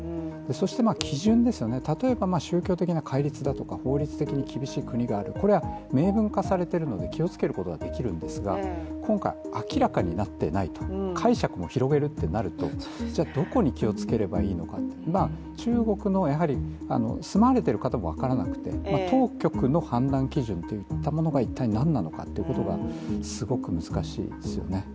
そして基準、例えば宗教的な戒律だとか法律的に厳しい国がある、これは明文化されているので気をつけることができるんですが今回、明らかになっていない、解釈も広げるってなるとどこに気をつければいいのか、中国のやはり住まわれている方も分からなくて当局の判断基準といったものが一体何なのかということがすごく難しいですよね。